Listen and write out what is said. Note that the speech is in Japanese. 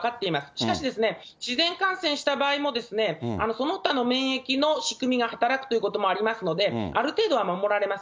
しかし、自然感染した場合もその他の免疫の仕組みが働くということもありますので、ある程度は守られます。